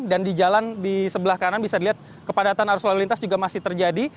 dan di jalan di sebelah kanan bisa dilihat kepadatan arus lalu lintas juga masih terjadi